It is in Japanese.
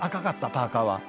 パーカは。